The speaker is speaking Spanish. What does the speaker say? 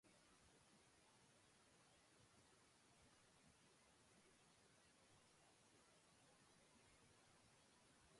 El cortejo es elaborado, especialmente en ejemplares que lo hacen por primera vez.